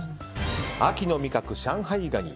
秋の味覚、上海ガニ。